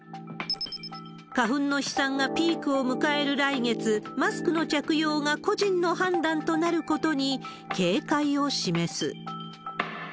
花粉の飛散がピークを迎える来月、マスクの着用が個人の判断となることに警戒を示す。